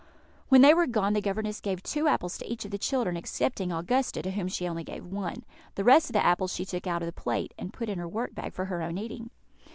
When they were gone the governess gave two apples to each of the children, excepting Augusta, to whom she gave only one. The rest of the apples she took out of the plate, and put in her work bag for her own eating.